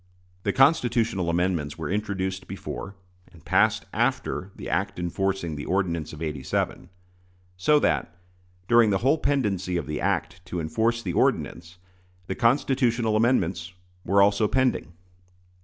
The constitutional amendments were introduced before, and passed after, the act enforcing the ordinance of '87; so that, during the whole pendency of the act to enforce the ordinance, the constitutional amendments were also pending.